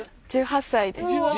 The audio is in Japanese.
１８歳です。